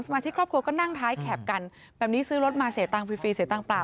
มาชิกครอบครัวก็นั่งท้ายแคปกันแบบนี้ซื้อรถมาเสียตังค์ฟรีฟรีเสียตังค์เปล่า